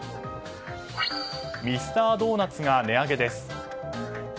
ミスタードーナツが値上げです。